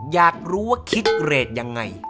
อยากรู้ว่าคิดเกรดยังไง